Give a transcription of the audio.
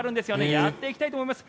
やっていきたいと思います。